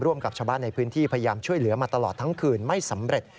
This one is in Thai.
กับชาวบ้านในพื้นที่พยายามช่วยเหลือมาตลอดทั้งคืนไม่สำเร็จ